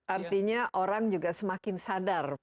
artinya orang juga semakin sadar